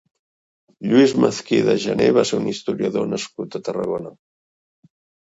Lluís Mezquida Gené va ser un historiador nascut a Tarragona.